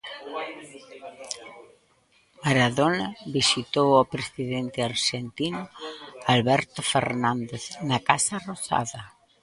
Maradona visitou o presidente arxentino Alberto Fernández na Casa Rosada.